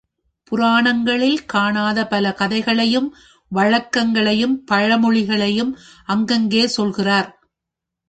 புராணங்களில் காணாத பலகதைகளையும் வழக்கங்களையும் பழமொழிகளையும் அங்கங்கே சொல்கிறார்.